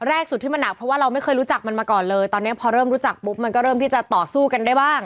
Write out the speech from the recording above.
สุดที่มันหนักเพราะว่าเราไม่เคยรู้จักมันมาก่อนเลยตอนนี้พอเริ่มรู้จักปุ๊บมันก็เริ่มที่จะต่อสู้กันได้บ้าง